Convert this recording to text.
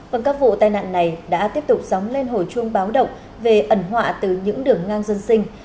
vâng các vụ tai nạn này đã tiếp tục dóng lên hồi chuông báo động về ẩn họa từ những đường ngang dân sinh